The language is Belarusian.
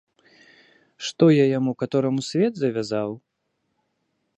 Што я яму катораму свет завязаў?